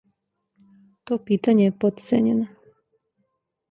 То питање је потцењено.